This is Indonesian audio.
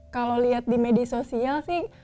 kalau lihat di media sosial sih